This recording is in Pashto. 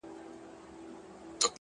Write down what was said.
• د هر چا چي وي په لاس کي تېره توره,